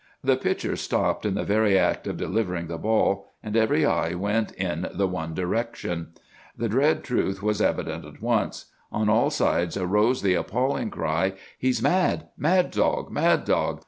The pitcher stopped in the very act of delivering the ball, and every eye went in the one direction. The dread truth was evident at once. On all sides arose the appalling cry, 'He's mad! Mad dog! Mad dog!